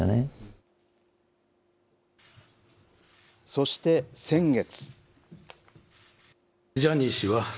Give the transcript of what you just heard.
そして先月。